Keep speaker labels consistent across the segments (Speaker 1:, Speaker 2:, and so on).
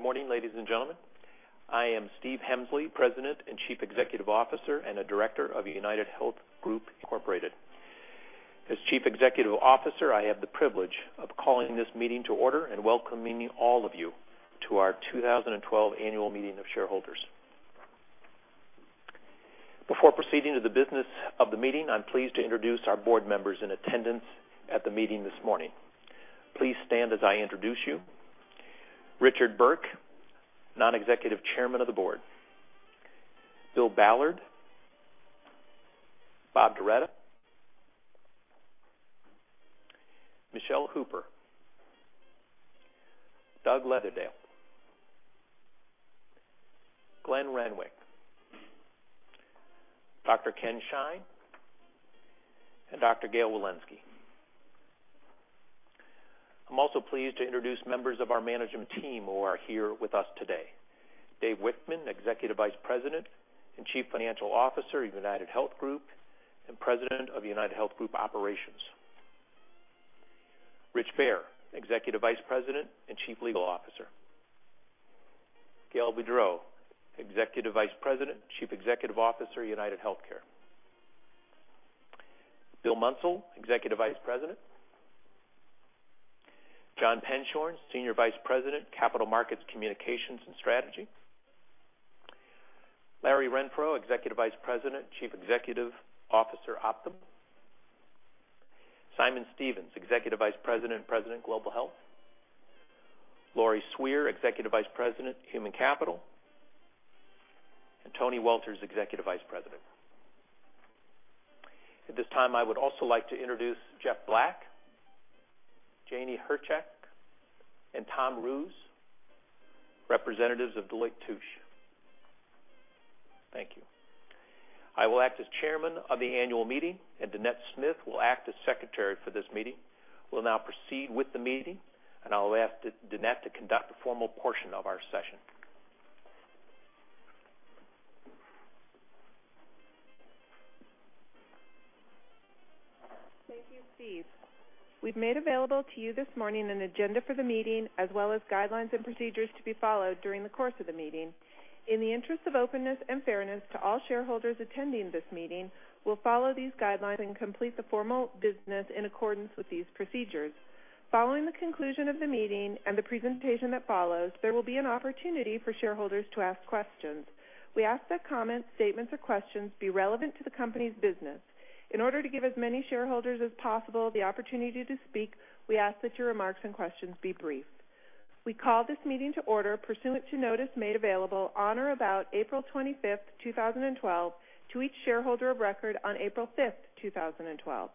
Speaker 1: Good morning, ladies and gentlemen. I am Steve Hemsley, President and Chief Executive Officer, and a director of UnitedHealth Group Incorporated. As Chief Executive Officer, I have the privilege of calling this meeting to order and welcoming all of you to our 2012 Annual Meeting of Shareholders. Before proceeding to the business of the meeting, I am pleased to introduce our board members in attendance at the meeting this morning. Please stand as I introduce you. Richard Burke, Non-Executive Chairman of the Board. Bill Ballard. Bob Darretta. Michele Hooper. Doug Leatherdale. Glenn Renwick. Dr. Ken Shine, and Dr. Gail Wilensky. I am also pleased to introduce members of our management team who are here with us today. Dave Wichmann, Executive Vice President and Chief Financial Officer of UnitedHealth Group, and President of UnitedHealth Group Operations. Rich Baer, Executive Vice President and Chief Legal Officer. Gail Boudreaux, Executive Vice President and Chief Executive Officer, UnitedHealthcare. Bill Munsell, Executive Vice President. John Penshorn, Senior Vice President, Capital Markets, Communications, and Strategy. Larry Renfro, Executive Vice President, Chief Executive Officer, Optum. Simon Stevens, Executive Vice President and President, Global Health. Lori Sweere, Executive Vice President, Human Capital, and Tony Welters, Executive Vice President. At this time, I would also like to introduce Jeff Black, Janie Herchak, and Tom Roos, representatives of Deloitte & Touche. Thank you. I will act as Chairman of the annual meeting, and Dannette Smith will act as Secretary for this meeting. We will now proceed with the meeting, and I will ask Dannette to conduct the formal portion of our session.
Speaker 2: Thank you, Steve. We have made available to you this morning an agenda for the meeting, as well as guidelines and procedures to be followed during the course of the meeting. In the interest of openness and fairness to all shareholders attending this meeting, we will follow these guidelines and complete the formal business in accordance with these procedures. Following the conclusion of the meeting and the presentation that follows, there will be an opportunity for shareholders to ask questions. We ask that comments, statements, or questions be relevant to the company's business. In order to give as many shareholders as possible the opportunity to speak, we ask that your remarks and questions be brief. We call this meeting to order pursuant to notice made available on or about April 25th, 2012, to each shareholder of record on April 5th, 2012.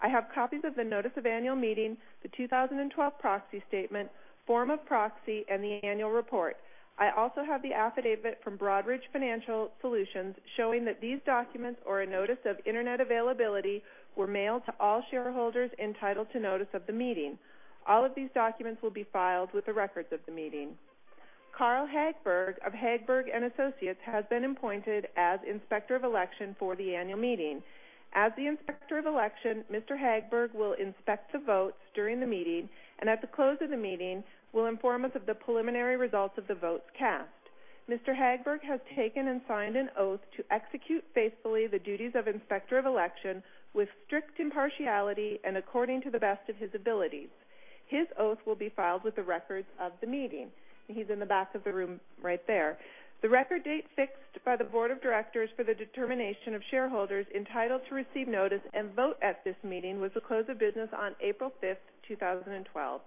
Speaker 2: I have copies of the Notice of Annual Meeting, the 2012 Proxy Statement, Form of Proxy, and the Annual Report. I also have the affidavit from Broadridge Financial Solutions showing that these documents or a notice of internet availability were mailed to all shareholders entitled to notice of the meeting. All of these documents will be filed with the records of the meeting. Carl Hagberg of Hagberg & Associates has been appointed as Inspector of Election for the annual meeting. As the Inspector of Election, Mr. Hagberg will inspect the votes during the meeting, and at the close of the meeting, will inform us of the preliminary results of the votes cast. Mr. Hagberg has taken and signed an oath to execute faithfully the duties of Inspector of Election with strict impartiality and according to the best of his abilities. His oath will be filed with the records of the meeting. He's in the back of the room right there. The record date fixed by the Board of Directors for the determination of shareholders entitled to receive notice and vote at this meeting was the close of business on April 5th, 2012.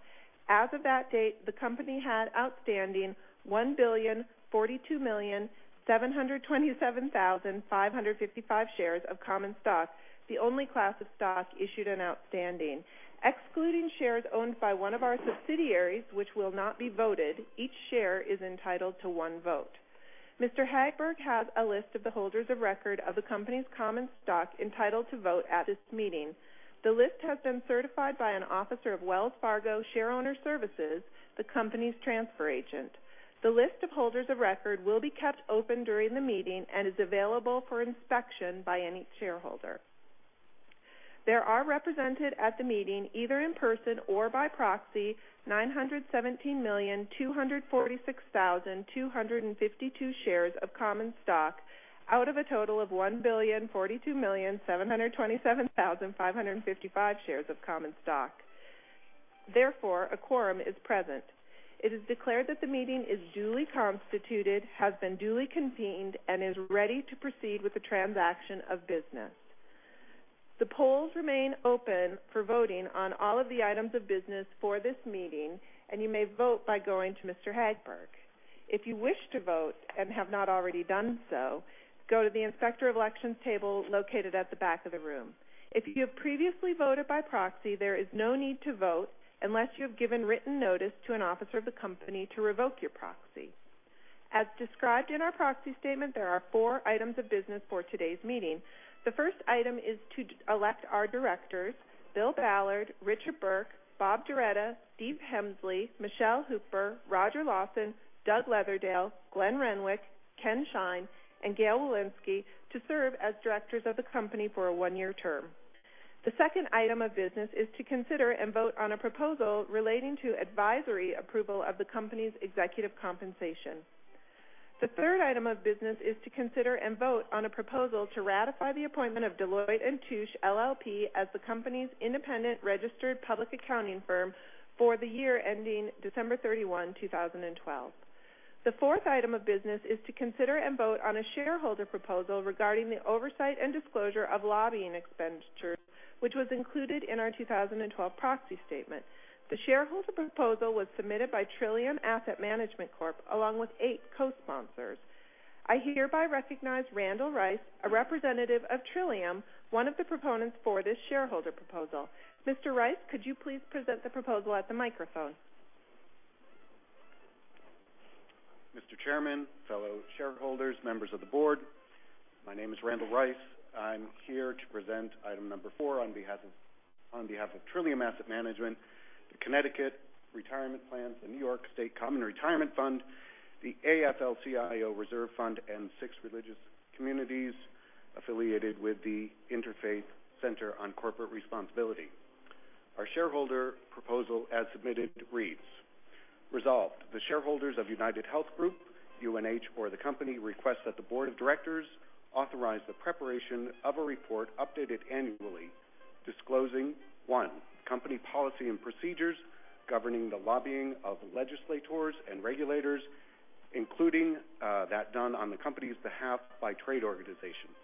Speaker 2: As of that date, the company had outstanding 1,042,727,555 shares of common stock, the only class of stock issued and outstanding. Excluding shares owned by one of our subsidiaries which will not be voted, each share is entitled to one vote. Mr. Hagberg has a list of the holders of record of the company's common stock entitled to vote at this meeting. The list has been certified by an officer of Wells Fargo Shareowner Services, the company's transfer agent. The list of holders of record will be kept open during the meeting and is available for inspection by any shareholder. There are represented at the meeting, either in person or by proxy, 917,246,252 shares of common stock out of a total of 1,042,727,555 shares of common stock. A quorum is present. It is declared that the meeting is duly constituted, has been duly convened, and is ready to proceed with the transaction of business. The polls remain open for voting on all of the items of business for this meeting, and you may vote by going to Mr. Hagberg. If you wish to vote and have not already done so, go to the Inspector of Elections table located at the back of the room. If you have previously voted by proxy, there is no need to vote unless you have given written notice to an officer of the company to revoke your proxy. As described in our proxy statement, there are four items of business for today's meeting. The first item is to elect our directors, Bill Ballard, Richard Burke, Bob Darretta, Steve Hemsley, Michele Hooper, Rodger Lawson, Doug Leatherdale, Glenn Renwick, Ken Shine, and Gail Wilensky, to serve as directors of the company for a one-year term. The second item of business is to consider and vote on a proposal relating to advisory approval of the company's executive compensation. The third item of business is to consider and vote on a proposal to ratify the appointment of Deloitte & Touche LLP as the company's independent registered public accounting firm for the year ending December 31, 2012. The fourth item of business is to consider and vote on a shareholder proposal regarding the oversight and disclosure of lobbying expenditures, which was included in our 2012 proxy statement. The shareholder proposal was submitted by Trillium Asset Management Corp, along with eight co-sponsors. I hereby recognize Randall Rice, a representative of Trillium, one of the proponents for this shareholder proposal. Mr. Rice, could you please present the proposal at the microphone?
Speaker 3: Mr. Chairman, fellow shareholders, members of the board. My name is Randall Rice. I'm here to present item number four on behalf of Trillium Asset Management, the Connecticut Retirement Plans, the New York State Common Retirement Fund, the AFL-CIO Reserve Fund, and six religious communities affiliated with the Interfaith Center on Corporate Responsibility. Our shareholder proposal, as submitted, reads: Resolved, the shareholders of UnitedHealth Group, UNH, or the company request that the board of directors authorize the preparation of a report updated annually, disclosing, 1, company policy and procedures governing the lobbying of legislators and regulators, including that done on the company's behalf by trade organizations.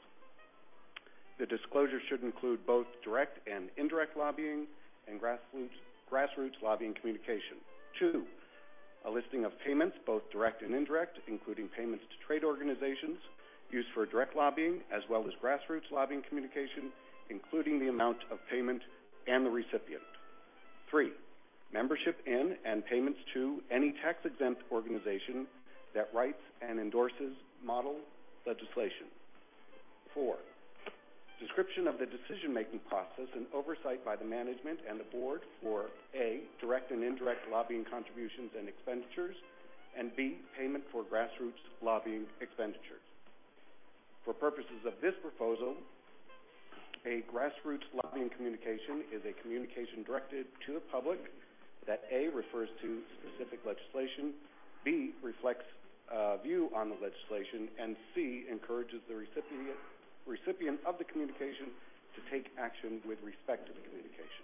Speaker 3: The disclosure should include both direct and indirect lobbying and grassroots lobbying communication. 2, a listing of payments, both direct and indirect, including payments to trade organizations used for direct lobbying as well as grassroots lobbying communication, including the amount of payment and the recipient. 3, membership in and payments to any tax-exempt organization that writes and endorses model legislation. 4, description of the decision-making process and oversight by the management and the board for, A, direct and indirect lobbying contributions and expenditures, and B, payment for grassroots lobbying expenditures. For purposes of this proposal, a grassroots lobbying communication is a communication directed to the public that, A, refers to specific legislation, B, reflects a view on the legislation, and C, encourages the recipient of the communication to take action with respect to the communication.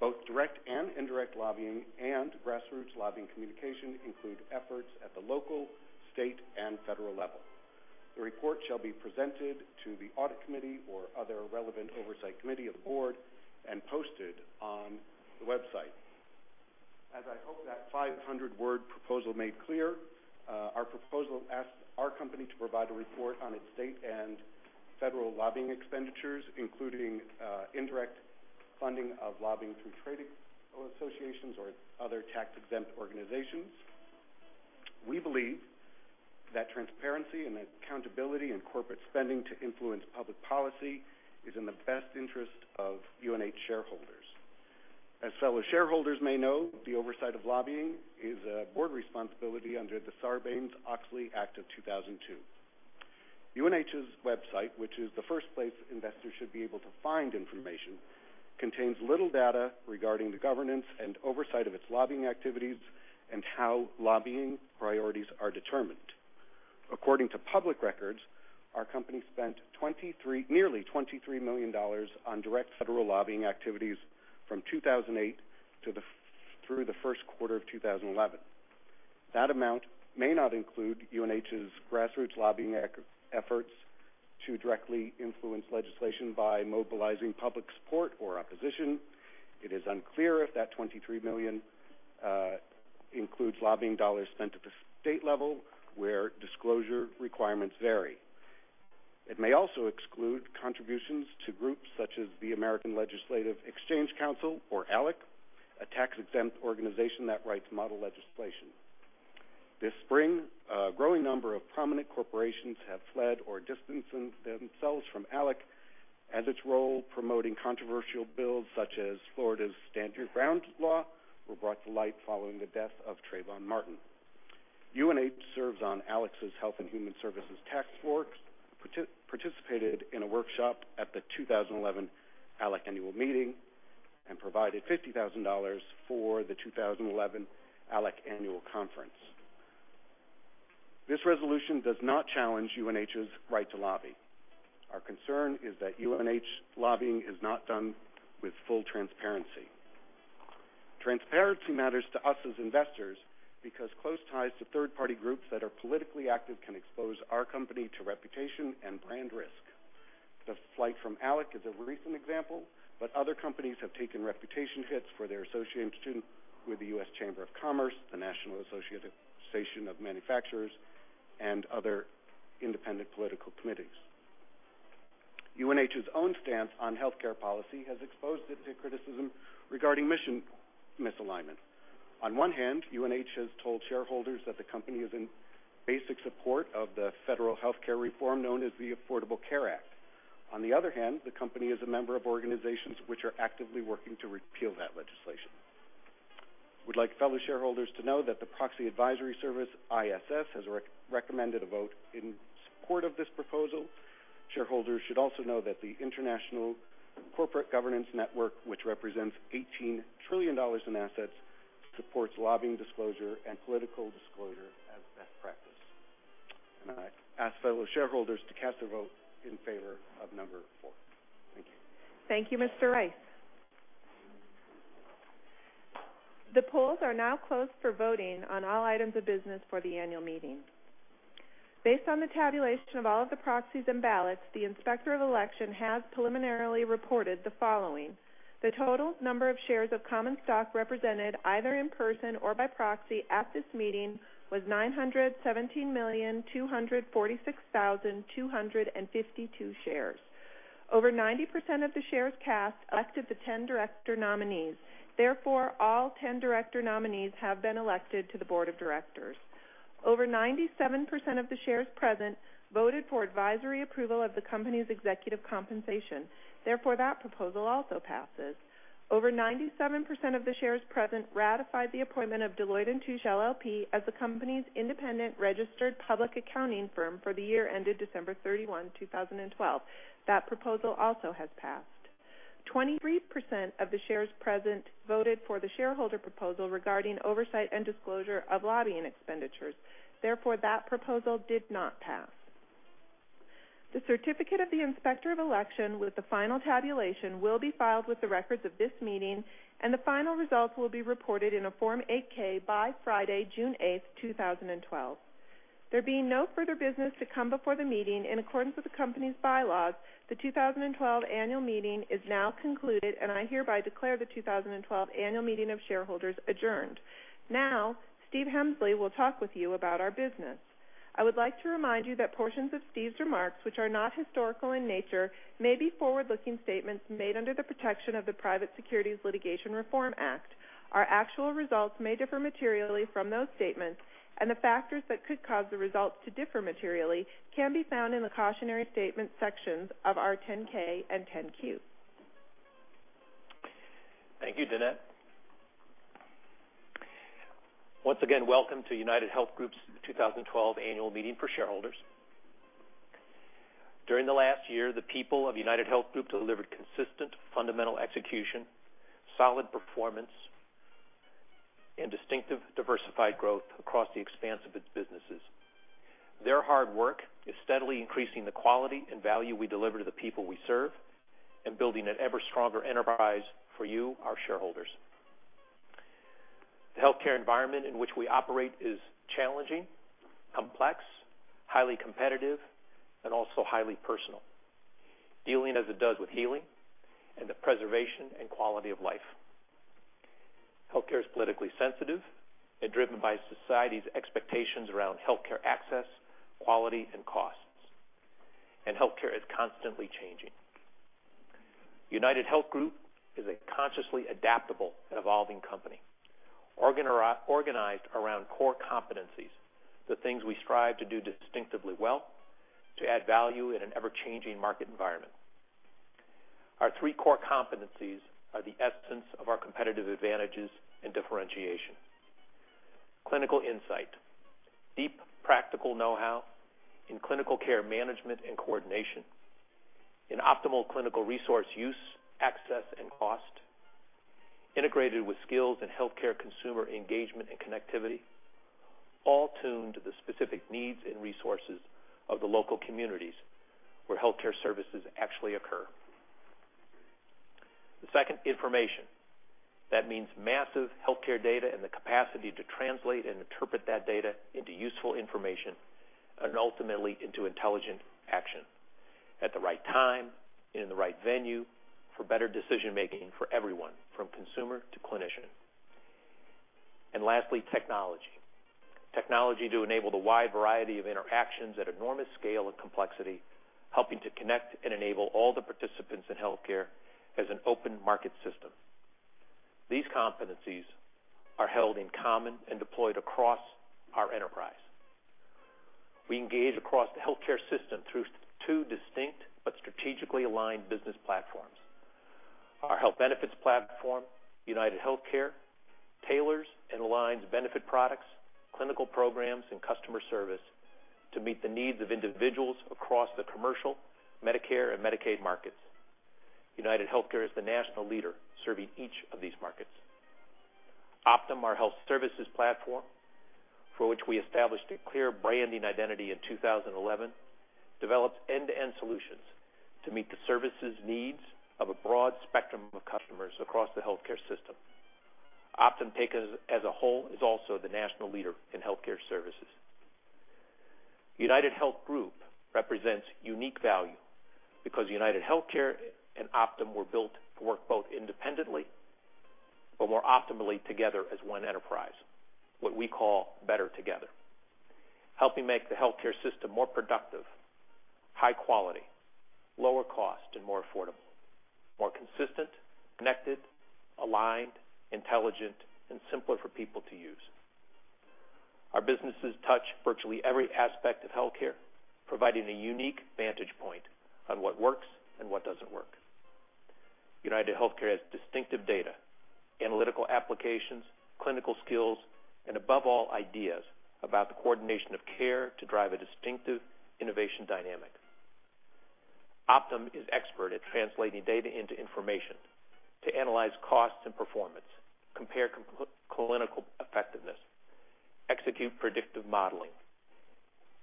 Speaker 3: Both direct and indirect lobbying and grassroots lobbying communication include efforts at the local, state, and federal level. The report shall be presented to the audit committee or other relevant oversight committee of the board and posted on the website. As I hope that 500-word proposal made clear, our proposal asks our company to provide a report on its state and federal lobbying expenditures, including indirect funding of lobbying through trade associations or other tax-exempt organizations. We believe that transparency and accountability in corporate spending to influence public policy is in the best interest of UNH shareholders. As fellow shareholders may know, the oversight of lobbying is a board responsibility under the Sarbanes-Oxley Act of 2002. UNH's website, which is the first place investors should be able to find information, contains little data regarding the governance and oversight of its lobbying activities and how lobbying priorities are determined. According to public records, our company spent nearly $23 million on direct federal lobbying activities from 2008 through the first quarter of 2011. That amount may not include UNH's grassroots lobbying efforts to directly influence legislation by mobilizing public support or opposition. It is unclear if that $23 million includes lobbying dollars spent at the state level, where disclosure requirements vary. It may also exclude contributions to groups such as the American Legislative Exchange Council, or ALEC, a tax-exempt organization that writes model legislation. This spring, a growing number of prominent corporations have fled or distanced themselves from ALEC as its role promoting controversial bills such as Florida's Stand Your Ground law were brought to light following the death of Trayvon Martin. UNH serves on ALEC's Health and Human Services Task Force, participated in a workshop at the 2011 ALEC annual meeting, and provided $50,000 for the 2011 ALEC annual conference. This resolution does not challenge UNH's right to lobby. Our concern is that UNH lobbying is not done with full transparency. Transparency matters to us as investors because close ties to third-party groups that are politically active can expose our company to reputation and brand risk. The flight from ALEC is a recent example, other companies have taken reputation hits for their associations with the U.S. Chamber of Commerce, the National Association of Manufacturers, and other independent political committees. UNH's own stance on healthcare policy has exposed it to criticism regarding mission misalignment. On one hand, UNH has told shareholders that the company is in basic support of the federal healthcare reform known as the Affordable Care Act. On the other hand, the company is a member of organizations which are actively working to repeal that legislation. We'd like fellow shareholders to know that the proxy advisory service, ISS, has recommended a vote in support of this proposal. Shareholders should also know that the International Corporate Governance Network, which represents $18 trillion in assets, supports lobbying disclosure and political disclosure as best practice. I ask fellow shareholders to cast their vote in favor of number 4. Thank you.
Speaker 2: Thank you, Mr. Rice. The polls are now closed for voting on all items of business for the annual meeting. Based on the tabulation of all of the proxies and ballots, the Inspector of Election has preliminarily reported the following. The total number of shares of common stock represented either in person or by proxy at this meeting was 917,246,252 shares. Over 90% of the shares cast elected the 10 director nominees. Therefore, all 10 director nominees have been elected to the board of directors. Over 97% of the shares present voted for advisory approval of the company's executive compensation. Therefore, that proposal also passes. Over 97% of the shares present ratified the appointment of Deloitte & Touche LLP as the company's independent registered public accounting firm for the year ended December 31, 2012. That proposal also has passed. 23% of the shares present voted for the shareholder proposal regarding oversight and disclosure of lobbying expenditures. Therefore, that proposal did not pass. The certificate of the Inspector of Election with the final tabulation will be filed with the records of this meeting, and the final results will be reported in a Form 8-K by Friday, June 8, 2012. There being no further business to come before the meeting, in accordance with the company's bylaws, the 2012 annual meeting is now concluded, and I hereby declare the 2012 Annual Meeting of Shareholders adjourned. Now, Steve Hemsley will talk with you about our business. I would like to remind you that portions of Steve's remarks, which are not historical in nature, may be forward-looking statements made under the protection of the Private Securities Litigation Reform Act. Our actual results may differ materially from those statements. The factors that could cause the results to differ materially can be found in the Cautionary Statement sections of our 10-K and 10-Q.
Speaker 1: Thank you, Dannette. Once again, welcome to UnitedHealth Group's 2012 Annual Meeting for Shareholders. During the last year, the people of UnitedHealth Group delivered consistent fundamental execution, solid performance, and distinctive diversified growth across the expanse of its businesses. Their hard work is steadily increasing the quality and value we deliver to the people we serve and building an ever-stronger enterprise for you, our shareholders. The healthcare environment in which we operate is challenging, complex, highly competitive, and also highly personal, dealing as it does with healing and the preservation and quality of life. Healthcare is politically sensitive and driven by society's expectations around healthcare access, quality, and costs, and healthcare is constantly changing. UnitedHealth Group is a consciously adaptable and evolving company, organized around core competencies, the things we strive to do distinctively well to add value in an ever-changing market environment. Our three core competencies are the essence of our competitive advantages and differentiation. Clinical insight, deep practical know-how in clinical care management and coordination, in optimal clinical resource use, access, and cost, integrated with skills in healthcare consumer engagement and connectivity, all tuned to the specific needs and resources of the local communities where healthcare services actually occur. The second, information. That means massive healthcare data and the capacity to translate and interpret that data into useful information and ultimately into intelligent action at the right time, in the right venue, for better decision-making for everyone, from consumer to clinician. Lastly, technology. Technology to enable the wide variety of interactions at enormous scale and complexity, helping to connect and enable all the participants in healthcare as an open market system. These competencies are held in common and deployed across our enterprise. We engage across the healthcare system through two distinct but strategically aligned business platforms. Our health benefits platform, UnitedHealthcare, tailors and aligns benefit products, clinical programs, and customer service to meet the needs of individuals across the commercial, Medicare, and Medicaid markets. UnitedHealthcare is the national leader serving each of these markets. Optum, our health services platform, for which we established a clear branding identity in 2011, develops end-to-end solutions to meet the services needs of a broad spectrum of customers across the healthcare system. Optum, taken as a whole, is also the national leader in healthcare services. UnitedHealth Group represents unique value because UnitedHealthcare and Optum were built to work both independently, but more optimally together as one enterprise, what we call Better Together, helping make the healthcare system more productive, high quality, lower cost, and more affordable, more consistent, connected, aligned, intelligent, and simpler for people to use. Our businesses touch virtually every aspect of healthcare, providing a unique vantage point on what works and what doesn't work. UnitedHealthcare has distinctive data, analytical applications, clinical skills, and above all, ideas about the coordination of care to drive a distinctive innovation dynamic. Optum is expert at translating data into information to analyze costs and performance, compare clinical effectiveness, execute predictive modeling,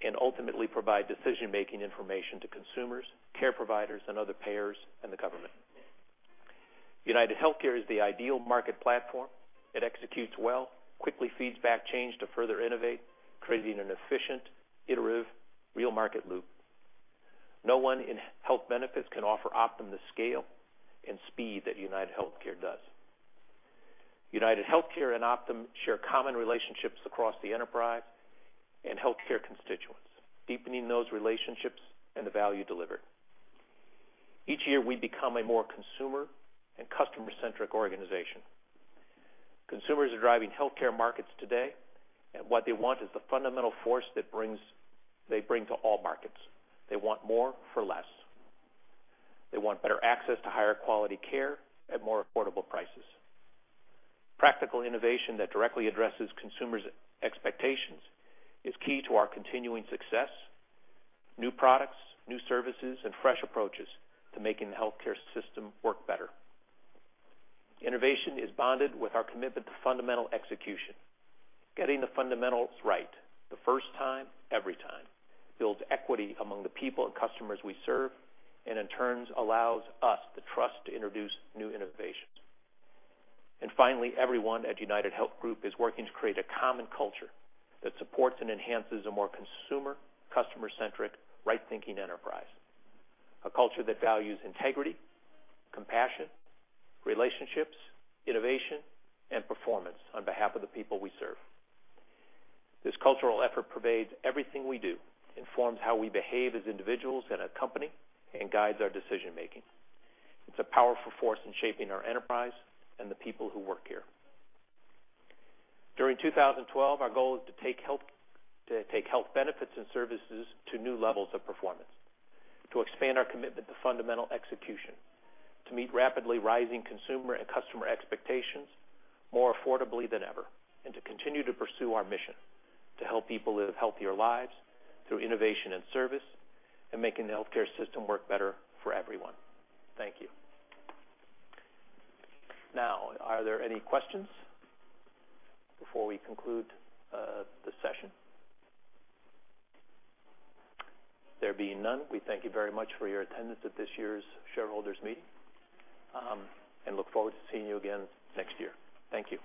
Speaker 1: and ultimately provide decision-making information to consumers, care providers, and other payers, and the government. UnitedHealthcare is the ideal market platform. It executes well, quickly feeds back change to further innovate, creating an efficient, iterative, real market loop. No one in health benefits can offer Optum the scale and speed that UnitedHealthcare does. UnitedHealthcare and Optum share common relationships across the enterprise and healthcare constituents, deepening those relationships and the value delivered. Each year, we become a more consumer and customer-centric organization. Consumers are driving healthcare markets today, and what they want is the fundamental force they bring to all markets. They want more for less. They want better access to higher quality care at more affordable prices. Practical innovation that directly addresses consumers' expectations is key to our continuing success, new products, new services, and fresh approaches to making the healthcare system work better. Innovation is bonded with our commitment to fundamental execution. Getting the fundamentals right the first time, every time, builds equity among the people and customers we serve and in turn, allows us the trust to introduce new innovations. Finally, everyone at UnitedHealth Group is working to create a common culture that supports and enhances a more consumer, customer-centric, right-thinking enterprise. A culture that values integrity, compassion, relationships, innovation, and performance on behalf of the people we serve. This cultural effort pervades everything we do, informs how we behave as individuals and a company, and guides our decision-making. It's a powerful force in shaping our enterprise and the people who work here. During 2012, our goal is to take health benefits and services to new levels of performance, to expand our commitment to fundamental execution, to meet rapidly rising consumer and customer expectations more affordably than ever, and to continue to pursue our mission to help people live healthier lives through innovation and service and making the healthcare system work better for everyone. Thank you. Are there any questions before we conclude the session? There being none, we thank you very much for your attendance at this year's shareholders' meeting, and look forward to seeing you again next year. Thank you.